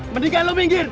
mendingan lo minggir